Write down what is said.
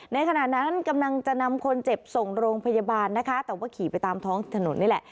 ขณะนั้นกำลังจะนำคนเจ็บส่งโรงพยาบาลนะคะแต่ว่าขี่ไปตามท้องถนนนี่แหละ